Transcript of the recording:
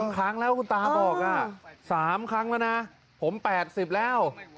ครั้งแล้วคุณตาบอก๓ครั้งแล้วนะผม๘๐แล้ว